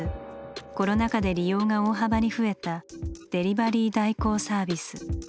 コロナ禍で利用が大幅に増えたデリバリー代行サービス。